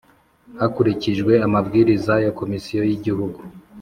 hakurikijwe amabwiriza ya Komisiyo y Igihugu